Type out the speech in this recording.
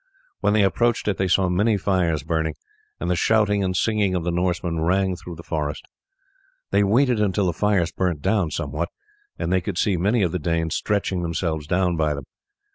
When they approached it they saw many fires burning, and the shouting and singing of the Norsemen rang through the forest. They waited until the fires burnt down somewhat and they could see many of the Danes stretching themselves down by them.